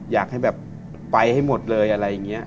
อยากให้แบบไปให้หมดเลยอะไรอย่างนี้